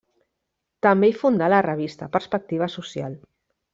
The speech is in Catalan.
També hi fundà la revista Perspectiva Social.